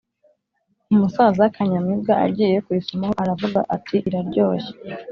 umusaza kanyamibwa agiye kuyisomaho aravuga ati iraryohye